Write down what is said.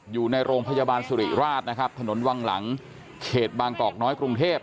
อยู่ในโรงพยาบาลสุริราชนะครับถนนวังหลังเขตบางกอกน้อยกรุงเทพ